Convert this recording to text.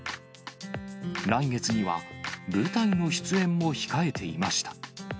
来月には、舞台の出演も控えていました。